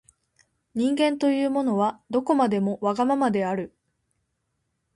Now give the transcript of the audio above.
人間というものは、どこまでもわがままである。